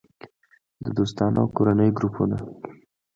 - د دوستانو او کورنۍ ګروپونه